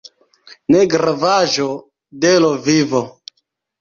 Negravaĵo de l' vivo.